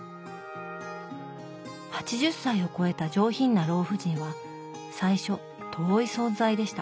８０歳を超えた上品な老婦人は最初遠い存在でした。